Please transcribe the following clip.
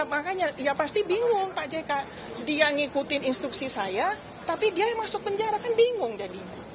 makanya dia pasti bingung pak jk dia ngikutin instruksi saya tapi dia yang masuk penjara kan bingung jadinya